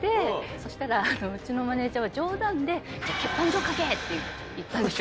そしたらうちのマネージャーは冗談で。って言ったんですよ。